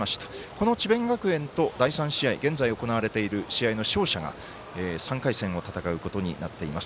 この智弁学園と第３試合、現在行われている試合の勝者が３回戦を戦うことになっています。